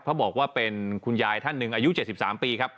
เพราะบอกว่าเป็นคุณยายท่านหนึ่งอายุ๗๓ปีครับ